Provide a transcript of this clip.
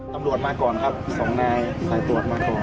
ตำรวจมาก่อนครับสองนายสายตรวจมาก่อน